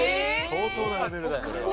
相当なレベルだよそれは。